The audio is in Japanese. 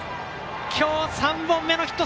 今日３本目のヒット！